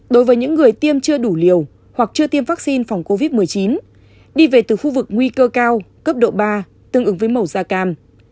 đối với những người tiêm chưa đủ liều hoặc chưa tiêm vaccine phòng covid một mươi chín đi về từ khu vực nguy cơ cao cấp độ ba tương ứng với màu da cam